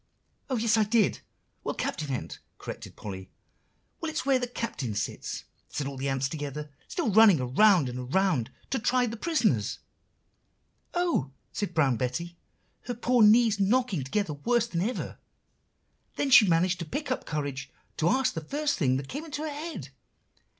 "Oh, yes, so I did! well, Captain Ant," corrected Polly. "'Well, it's where the Captain sits,' said the ants all together, still running around and around, 'to try the prisoners.' "'Oh!' said Brown Betty, her poor knees knocking together worse than ever. Then she managed to pick up courage to ask the first thing that came into her head.